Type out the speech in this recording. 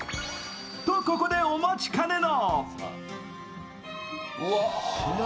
と、ここでお待ちかねの。